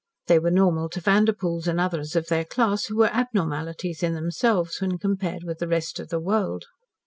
They were normal to Vanderpoels and others of their class who were abnormalities in themselves when compared with the rest of the world.